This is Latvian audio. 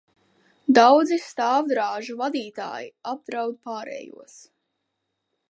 Daudzi stāvdrāžu vadītāji apdraud pārējos.